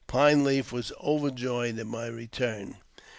Pine Leaf was overjoyed at my return.